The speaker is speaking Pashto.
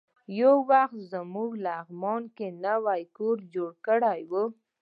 یو وخت موږ لغمان کې نوی کور جوړ کړی و.